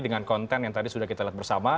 dengan konten yang tadi sudah kita lihat bersama